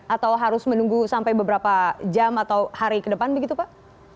atau harus menunggu sampai beberapa jam atau hari ke depan begitu pak